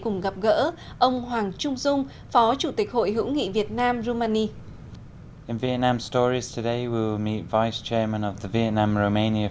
cùng gặp gỡ ông hoàng trung dung phó chủ tịch hội hữu nghị việt nam rumani